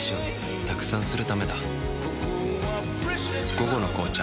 「午後の紅茶」